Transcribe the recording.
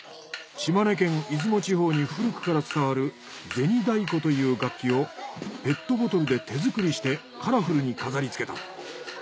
島根県出雲地方に古くから伝わる銭太鼓という楽器をペットボトルで手作りしてカラフルに飾りつけた。